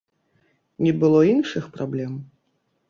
Не было іншых праблем?